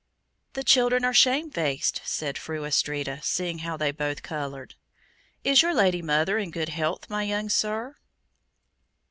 "The children are shame faced," said Fru Astrida, seeing how they both coloured. "Is your Lady mother in good health, my young sir?"